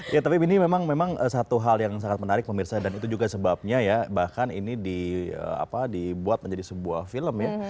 ya tapi ini memang satu hal yang sangat menarik pemirsa dan itu juga sebabnya ya bahkan ini dibuat menjadi sebuah film ya